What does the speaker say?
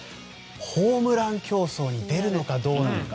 ホームラン競争に出るのかどうなのか。